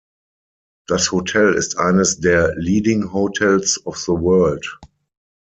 Das Hotel ist eines der Leading Hotels of the World.